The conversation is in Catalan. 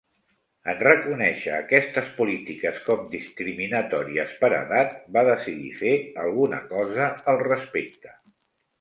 En reconèixer aquestes polítiques com discriminatòries per edat, va decidir fer alguna cosa al respecte.